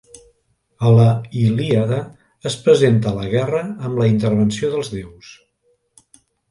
A la Ilíada es presenta la guerra amb la intervenció dels déus.